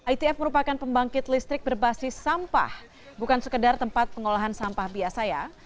itf merupakan pembangkit listrik berbasis sampah bukan sekedar tempat pengolahan sampah biasa ya